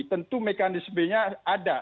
tentu mekanismenya ada